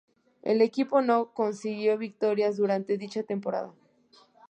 El equipo no consiguió victorias durante dicha temporada.